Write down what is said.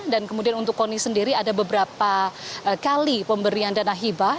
dan kemudian untuk koni sendiri ada beberapa kali pemberian dana hibah